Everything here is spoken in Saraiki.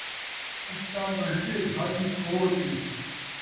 اَٹا ڳنڈھ تے بھاڄی کھوڑ تے